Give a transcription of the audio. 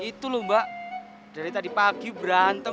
itu lho mbak dari tadi pagi berantem